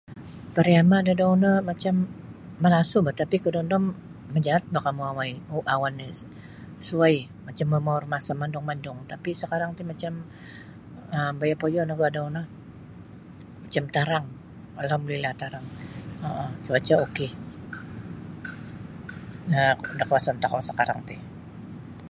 Pariama' dadau no macam malasu' boh tapi kodondom majaat boh kamu awai awan ri suwai macam mau' mau' rumasam mandung-mandung tapi sakarang ti macam um bayap poyo nogu adau no macam tarang alhamdulillah tarang um cuaca' ok daa da kawasan tokou sakarang ti.